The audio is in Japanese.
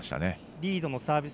リードのサービス